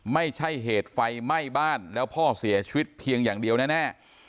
ไม่ใช่เหตุไฟไหม้บ้านแล้วพ่อเสียชีวิตเพียงอย่างเดียวแน่